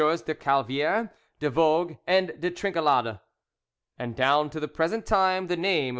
De Calviere, De Vogue, and De Trinquelade. And down to the present time the name of M.